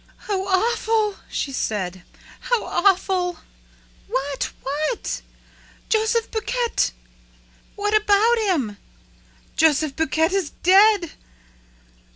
"How awful!" she said. "How awful!" "What? What?" "Joseph Buquet!" "What about him?" "Joseph Buquet is dead!"